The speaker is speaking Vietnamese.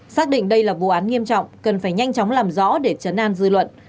xác định đây là vụ án nghiêm trọng cần phải nhanh chóng làm rõ để chấn an dư luận